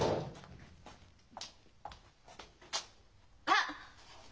あっ！